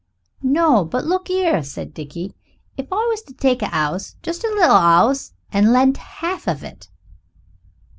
"No but look 'ere," said Dickie, "if we was to take a 'ouse just a little 'ouse, and let half of it."